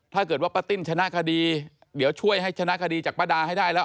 ถ้าเกิดว่าป้าติ้นชนะคดีเดี๋ยวช่วยให้ชนะคดีจากป้าดาให้ได้แล้ว